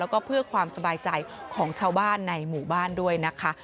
แล้วก็เพื่อความสบายใจของชาวบ้านในหมู่บ้านด้วยนะคะ